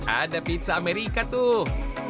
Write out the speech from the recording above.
ada pizza amerika tuh